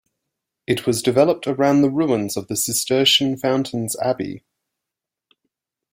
It was developed around the ruins of the Cistercian Fountains Abbey.